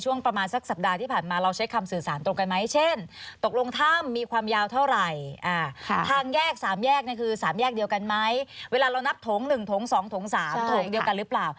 เวลาเรานับโถง๑โถง๒โถง๓โถงเดียวกันหรือเปล่า